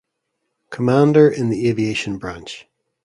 Commander in the aviation branch.